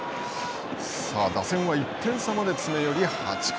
打線は１点差まで詰め寄り８回。